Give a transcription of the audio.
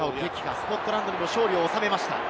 スコットランドにも勝利を収めました。